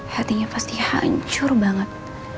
hatinya pasti hancur banget